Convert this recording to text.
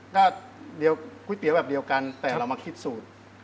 ก็เดี๋ยวก๋วยเตี๋ยวแบบเดียวกันแต่เรามาคิดสูตร